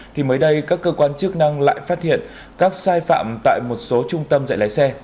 thì mới đây các cơ quan chức năng lại phát hiện các sai phạm tại một số trung tâm dạy lái xe